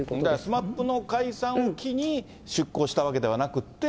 ＳＭＡＰの解散を機に出向わけじゃなくて。